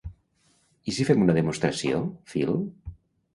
I si fem una demostració, Phil?